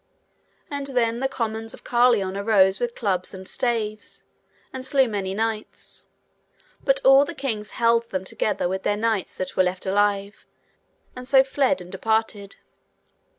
And then the commons of Carlion arose with clubs and staves and slew many knights; but all the kings held them together with their knights that were left alive, and so fled and departed.